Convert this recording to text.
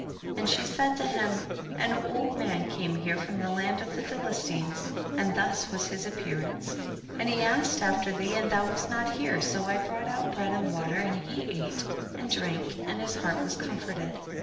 46. And she said to him, an old man came here from the land of the Philistines and thus was his appear ance, and he asked after thee and thou wast not here, so I brought out bread and water, and he ate and drank and his heart was comforted.